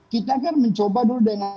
kita kan mencoba dulu dengan